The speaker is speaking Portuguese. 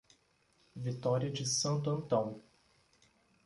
Vitória de Santo Antão